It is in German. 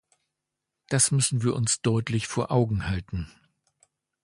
Das müssen wir uns deutlich vor Augen halten.